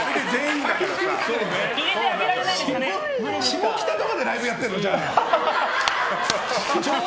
下北とかでライブやってんの？